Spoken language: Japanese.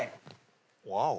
ワオ。